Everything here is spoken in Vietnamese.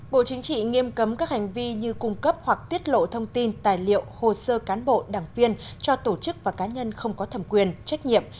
bộ chính trị nghiêm cấm các hành vi như cung cấp hoặc tiết lộ thông tin tài liệu hồ sơ cán bộ đảng viên cho tổ chức và cá nhân không có thẩm quyền trách nhiệm